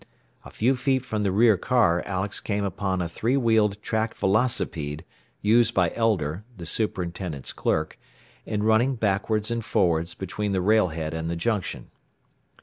A few feet from the rear car Alex came upon a three wheeled track velocipede, used by Elder, the superintendent's clerk in running backwards and forwards between the rail head and the junction.